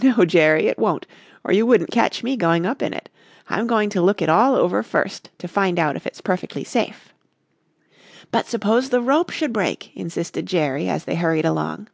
"No, Jerry, it won't or you wouldn't catch me going up in it. I'm going to look it all over first to find out if it's perfectly safe." "But suppose the rope should break?" insisted Jerry as they hurried along.